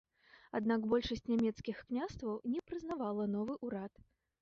Аднак большасць нямецкіх княстваў не прызнавала новы ўрад.